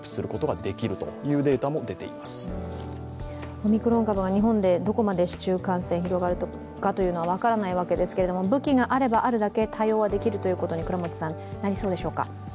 オミクロン株が日本でどこまで市中感染が広がるかは分からないわけですけれども、武器があればあるだけ対応はできるということになりそうでしょうか。